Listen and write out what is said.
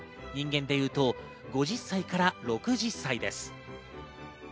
人間でいうと５０歳から６０歳です。